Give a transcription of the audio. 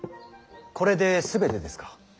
これで全てですか。